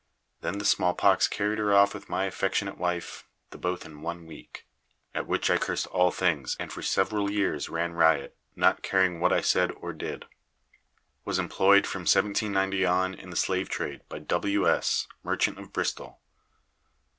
Then the small pox carried her off with my affectionate wife, the both in one week. At which I cursed all things, and for several years ran riot, not caring what I said or did. Was employed, from 1790 on, in the slave trade, by W. S., merchant of Bristol.